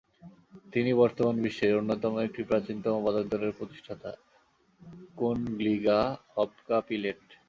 তিনি বর্তামান বিশ্বের অন্যতম একটি প্রাচীনতম বাদকদলেরও প্রতিষ্ঠা, কুনগ্লিগা হবকাপিলেট।